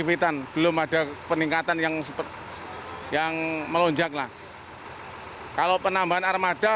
impitan belum ada peningkatan yang seperti yang melonjak lah kalau penambahan armada